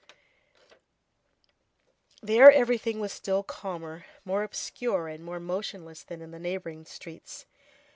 There everything was still calmer, more obscure and more motionless than in the neighboring streets.